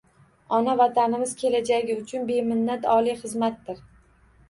Ona Vatanimiz kelajagi uchun beminnat oliy xizmatdir